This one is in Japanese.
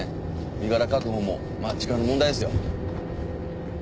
身柄確保もまあ時間の問題ですよ。